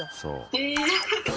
え！